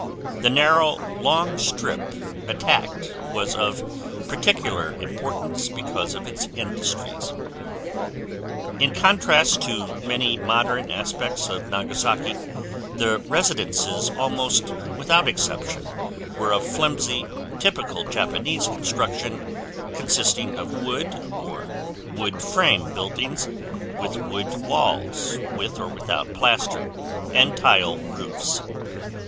The narrow long strip attacked was of particular importance because of its industries. In contrast to many modern aspects of Nagasaki, the residences almost without exception were of flimsy, typical Japanese construction, consisting of wood or wood frame buildings, with wood walls with or without plaster, and tile roofs.